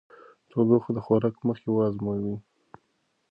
تودوخه د خوراک مخکې وازمویئ.